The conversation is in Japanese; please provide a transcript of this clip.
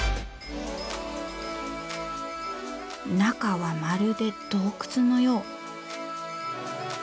中はまるで洞窟のよう。